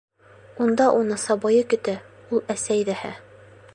Унда уны сабыйы көтә, ул әсәй ҙәһә.